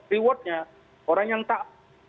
reward nya orang yang tak